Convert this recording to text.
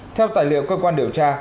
theo tài liệu cơ quan điều tra